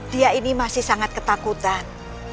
dia ini masih sangat ketakutan